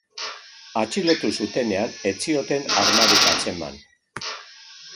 Atxilotu zutenean, ez zioten armarik atzeman.